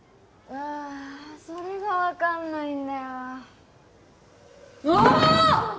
あそれが分かんないんだよあああっ！